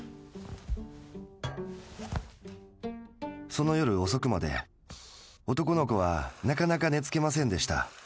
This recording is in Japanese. その夜遅くまで男の子はなかなか寝付けませんでした。